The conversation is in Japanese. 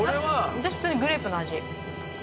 私普通にグレープの味。